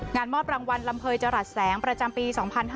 งานมอบรางวัลลำเภยจรัสแสงประจำปี๒๕๕๙